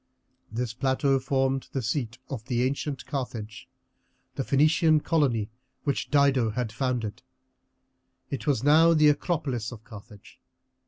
This plateau formed the seat of the ancient Carthage, the Phoenician colony which Dido had founded. It was now the acropolis of Carthage.